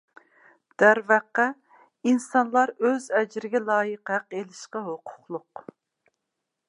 دەرۋەقە، ئىنسانلار ئۆز ئەجرىگە لايىق ھەق ئېلىشقا ھوقۇقلۇق.